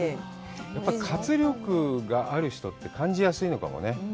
やっぱり活力がある人って感じやすいのかもね。